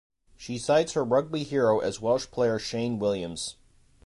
She cites her rugby hero as Welsh player Shane Williams.